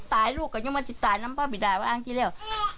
ตายลูกก็ยังไม่ติดตายน้ำภาพบิราณว่าอ้างที่แล้ว